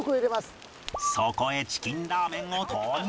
そこへチキンラーメンを投入